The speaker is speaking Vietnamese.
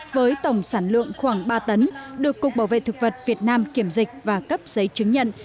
với tổng sản lượng khoảng ba tấn được cục bảo vệ thực vật việt nam kiểm dịch và cấp giấy chứng nhận